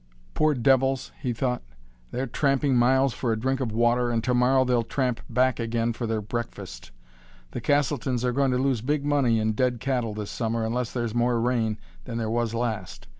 "Poor devils!" he thought. "They're tramping miles for a drink of water, and to morrow they'll tramp back again for their breakfast. The Castletons are going to lose big money in dead cattle this Summer, unless there's more rain than there was last.